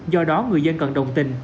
do đó người dân cần đồng tình